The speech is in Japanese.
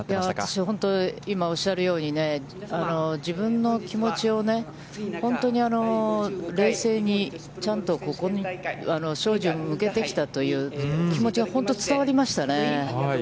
私、本当、今おっしゃるように、自分の気持ちを本当に冷静に、ちゃんとここに照準を向けてきたという気持ちが本当に伝わりましたね。